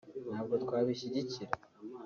ntabwo twabishyigikira